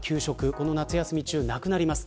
この夏休み中、なくなります。